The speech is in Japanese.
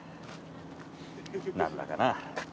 何だかな。